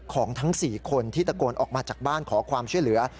ทั้ง๔คนที่ตะโกนออกมาจากบ้านขอความช่วยเหลือ